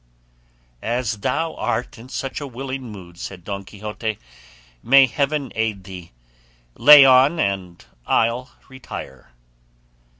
"As thou art in such a willing mood," said Don Quixote, "may heaven aid thee; lay on and I'll retire."